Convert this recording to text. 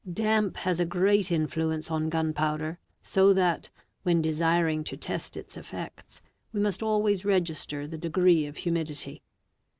Damp has a great influence on gun powder, so that, when desiring to test its effects, we must always _ register the degree of humidity.